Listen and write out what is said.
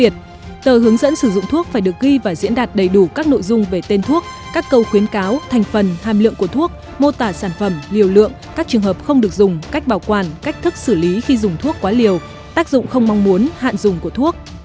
tờ hướng dẫn sử dụng thuốc phải được ghi và diễn đạt đầy đủ các nội dung về tên thuốc các câu khuyến cáo thành phần hàm lượng của thuốc mô tả sản phẩm liều lượng các trường hợp không được dùng cách bảo quản cách thức xử lý khi dùng thuốc quá liều tác dụng không mong muốn hạn dùng của thuốc